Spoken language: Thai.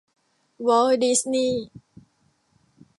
วอลต์ ดิสนีย์